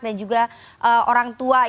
dan juga orang tua